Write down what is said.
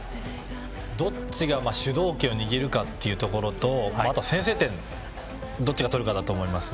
どっちが主導権を握るかというところと、先制点をどっちが取るかだと思います。